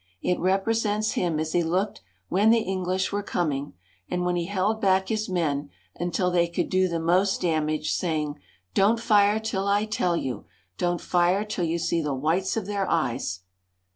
It represents him as he looked when the English were com ing, and when he held back his men until they could do the most damage, saying :Don't fire till I tell you ! Don't fire till you see the whites of their eyes!"